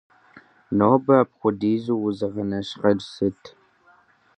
Нобэ апхуэдизу узыгъэнэщхъейр сыт?